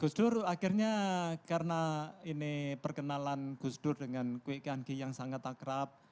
gus dur akhirnya karena ini perkenalan gus dur dengan kuik kan ki yang sangat akrab